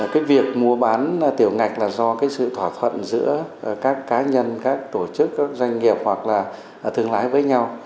cái việc mua bán tiểu ngạch là do cái sự thỏa thuận giữa các cá nhân các tổ chức các doanh nghiệp hoặc là thương lái với nhau